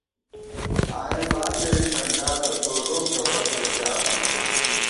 آئېم بامبېری کھڈانہ تو ݫوم کہ فقیر جانہ